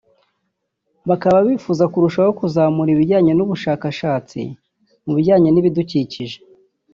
Bakaba bifuzaga kurushaho kuzamura ibijyanye n’ubushakashatsi mu bijyanye n’ibidukikije